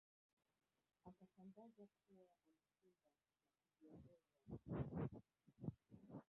Akajitangaza kuwa alishinda na kujiongezea sifa